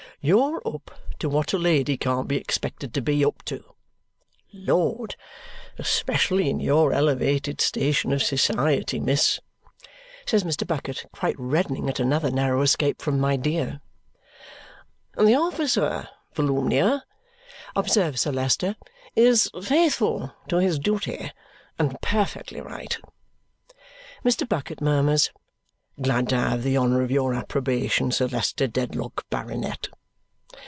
You're up to what a lady can't be expected to be up to. Lord! Especially in your elevated station of society, miss," says Mr. Bucket, quite reddening at another narrow escape from "my dear." "The officer, Volumnia," observes Sir Leicester, "is faithful to his duty, and perfectly right." Mr. Bucket murmurs, "Glad to have the honour of your approbation, Sir Leicester Dedlock, Baronet."